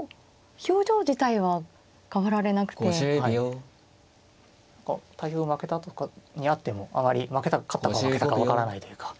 こう対局負けたとかになってもあまり勝ったか負けたか分からないというか。